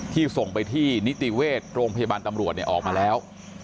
ส่งไปที่นิติเวชโรงพยาบาลตำรวจออกมาแล้ว